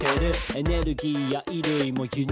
「エネルギーや衣類も輸入が多い」